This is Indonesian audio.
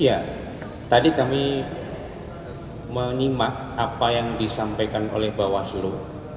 ya tadi kami menyimak apa yang disampaikan oleh bawaslu